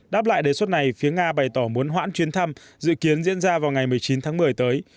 đáp lại đề xuất này phía nga bày tỏ muốn hoãn chuyến thăm dự kiến diễn ra vào ngày một mươi chín tháng một mươi tới